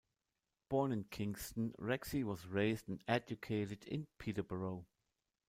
Born in Kingston, Rexe was raised and educated in Peterborough.